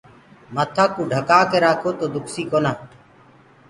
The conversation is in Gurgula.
مآٿآ ڪو ڍڪآ ڪي رآکو تو دُکسي ڪونآ۔